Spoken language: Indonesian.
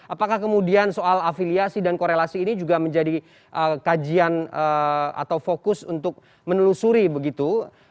apakah kemudian soal afiliasi dan korelasi ini juga menjadi kajian atau fokus untuk menelusuri begitu